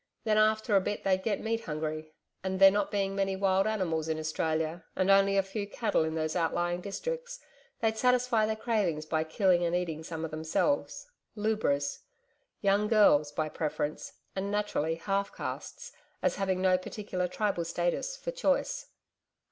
Then after a bit they'd get meat hungry, and there not being many wild animals in Australia and only a few cattle in those outlying districts, they'd satisfy their cravings by killing and eating some of themselves lubras young girls by preference, and, naturally, half castes, as having no particular tribal status, for choice.'